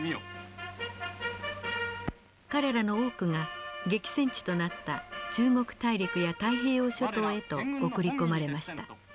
彼らの多くが激戦地となった中国大陸や太平洋諸島へと送り込まれました。